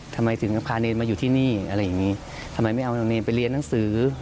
ทำไมถึงพาเนรมาอยู่ที่นี่อะไรอย่างนี้ทำไมไม่เอาน้องเนรไปเรียนหนังสือ